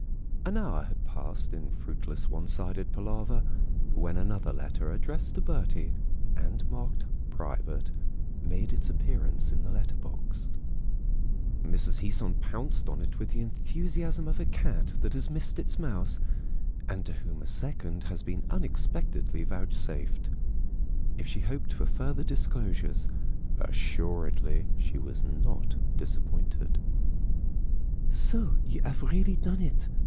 An hour had passed in fruitless one sided palaver when another letter addressed to Bertie and marked "private" made its appearance in the letter box. Mrs. Heasant pounced on it with the enthusiasm of a cat that has missed its mouse and to whom a second has been unexpectedly vouchsafed. If she hoped for further disclosures assuredly she was not disappointed. "So you have really done it!"